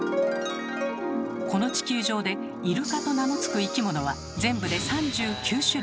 この地球上で「イルカ」と名のつく生き物は全部で３９種類。